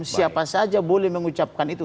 siapa saja boleh mengucapkan itu